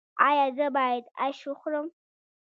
ایا زه باید اش وخورم؟